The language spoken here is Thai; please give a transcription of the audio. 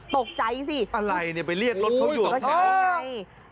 ตกใจสิอะไรเนี่ยไปเรียกรถเขาอยู่อ่ะใช่